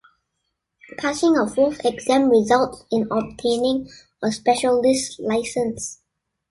Passing a fourth exam results in obtaining a 'specialist' license.